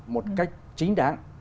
một cách chính đáng